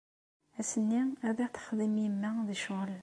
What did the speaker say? Ass-nni ad aɣ-texdem yemma d ccɣel.